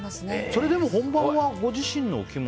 それでも本番はご自身のお着物？